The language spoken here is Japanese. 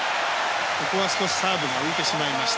ここは少しサーブが浮いてしまいました。